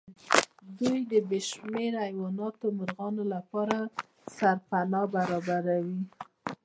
دوی د بې شمېره حيواناتو او مرغانو لپاره سرپناه برابروي.